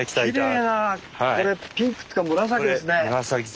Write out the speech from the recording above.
きれいなこれピンクっていうか紫ですね。